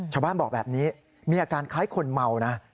ชาวบ้านบอกแบบนี้มีอาการคล้ายคนเมานะ